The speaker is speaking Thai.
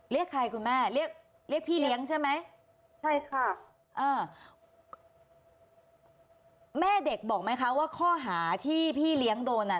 เรียกใครคุณแม่เรียกเรียกพี่เลี้ยงใช่ไหมใช่ค่ะอ่าแม่เด็กบอกไหมคะว่าข้อหาที่พี่เลี้ยงโดนอ่ะ